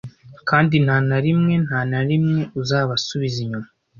kandi nta na rimwe nta na rimwe uzabasubiza inyuma